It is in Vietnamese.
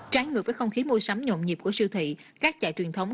trái ngược với không khí mua sắm nhộn nhịp của siêu thị các chợ truyền thống